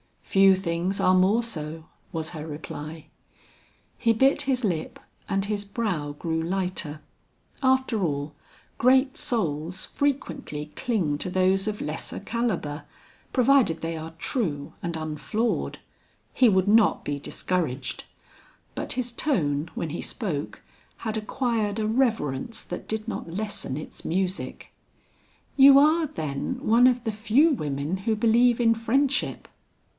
"Few things are more so," was her reply. He bit his lip and his brow grew lighter. After all, great souls frequently cling to those of lesser calibre, provided they are true and unflawed. He would not be discouraged. But his tone when he spoke had acquired a reverence that did not lessen its music. "You are, then, one of the few women who believe in friendship?"